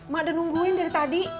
mak udah nungguin dari tadi